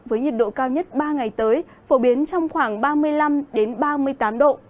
với nhiệt độ cao nhất ba ngày tới phổ biến trong khoảng ba mươi năm ba mươi tám độ